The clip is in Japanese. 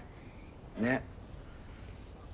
ねっ。